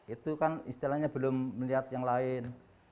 itu kan istilahnya belum melihat yang lain